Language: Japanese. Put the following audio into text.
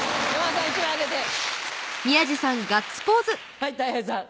はいたい平さん。